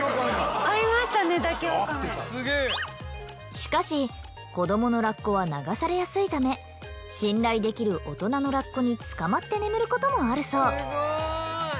しかし子どものラッコは流されやすいため信頼できる大人のラッコにつかまって眠ることもあるそう。